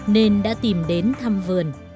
nên đã tìm đến thăm vườn